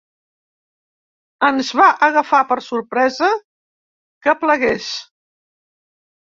Ens va agafar per sorpresa que plegués.